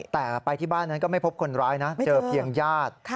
แต่ไปที่บ้านนั้นก็ไม่พบคนร้ายนะเจอเพียงญาติ